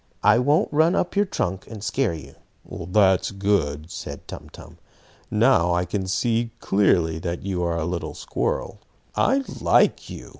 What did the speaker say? I won't run up your trunk, and scare you." "That's good," said Tum Tum. "Now I can see clearly that you are a little squirrel. I like you!